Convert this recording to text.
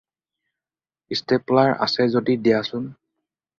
Stapler আছে যদি দিয়াচোন।